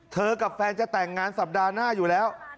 กับแฟนจะแต่งงานสัปดาห์หน้าอยู่แล้ว